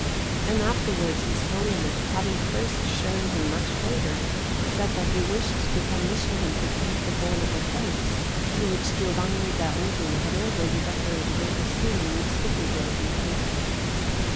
And afterwards his Holiness, having first shown him much favour, said that he wished to commission him to paint the Hall of the Popes, in which Giovanni da Udine had already decorated all the ceiling with stucco work and painting.